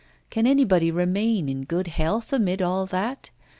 Can anybody remain in good health amid all that?